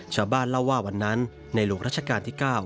ชาวบ้านเล่าว่าวันนั้นในหลวงรัชกาลที่๙